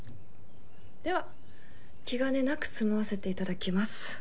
では気兼ねなく住まわせて頂きます。